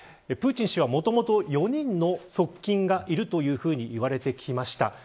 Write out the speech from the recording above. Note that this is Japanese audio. プーチン氏は、もともと４人の側近がいると言われてきました。